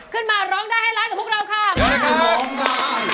ขึ้นมาร้องได้ให้ร้ายของพวกเราค่ะ